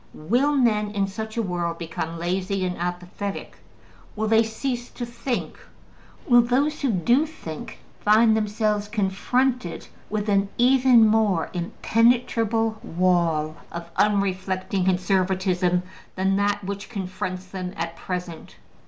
Will men in such a world become lazy and apathetic? Will they cease to think? Will those who do think find themselves confronted with an even more impenetrable wall of unreflecting conservatism than that which confronts them at present?